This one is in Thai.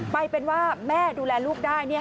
ไปเป็นว่าแม่ดูแลลูกได้